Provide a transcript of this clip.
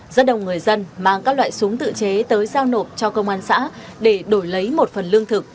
rất đông người dân mang các loại súng tự chế tới giao nộp cho công an xã để đổi lấy một phần lương thực